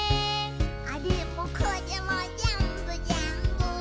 「あれもこれもぜんぶぜんぶ」